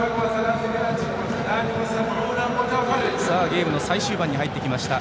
ゲームの最終盤に入ってきました。